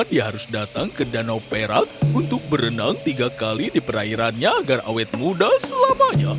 dia harus datang ke danau perak untuk berenang tiga kali di perairannya agar awet muda selamanya